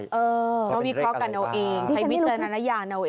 พิเคราะห์กันเอาเองใครวิจารยาหน่อย